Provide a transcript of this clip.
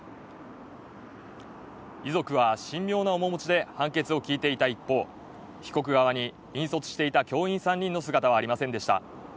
遺族は神妙な面持ちで判決を聞いていた一方、被告側に引率していた教員３人の姿はありませんでした。